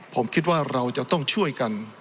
ผมคิดว่าเราจะต้องช่วยกัน